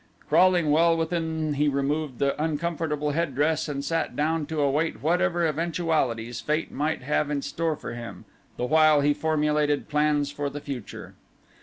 Crawling well within he removed the uncomfortable headdress and sat down to await whatever eventualities fate might have in store for him the while he formulated plans for the future.